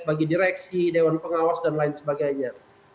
bagi direksi dewan pengawas dan lain sebagainya